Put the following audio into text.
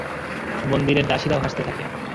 মন্দিরের দাসীরাও হাসতে থাকে।